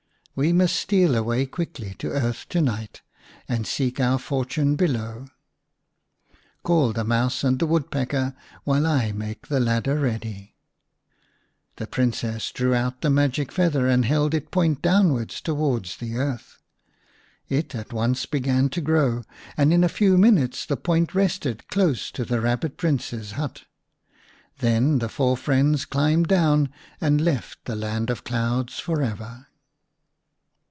We must steal away quickly to earth to night, and seek our fortune below. Call the Mouse and the Woodpecker while I make the ladder ready." The Princess drew out the magic feather and 55 The Rabbit Prince v held it point downwards towards the earth. It at once began to grow, and in a few minutes the point rested close to the Kabbit Prince's hut. Then the four friends climbed down and left the land of clouds for ever.